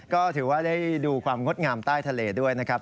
ก็ถือว่าได้ดูความงดงามใต้ทะเลด้วยนะครับ